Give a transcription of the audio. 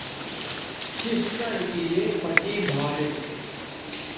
تس سڑکے یے پتے بھالید